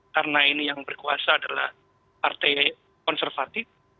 karena ini yang berkuasa adalah partai konservatif